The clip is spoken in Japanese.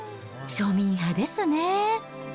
庶民派ですね。